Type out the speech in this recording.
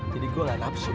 jadi gue gak nafsu